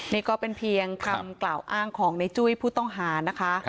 นี่ก็เป็นเพียงคำกล่าวอ้างของในจุ้ยผู้ต้องหานะคะ